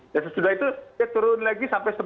dan setelah itu dia turun lagi sampai